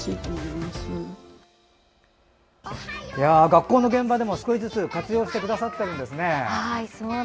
学校現場でも少しずつ活用してくださってるんですね。